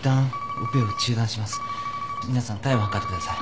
ミナさん体温測ってください。